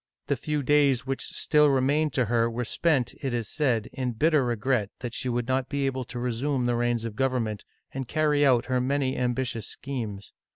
The few days which still remained to her were spent, it is" said, in bitter regret that she would not be able to resume the reins of government and carry out her many ambitious schemes.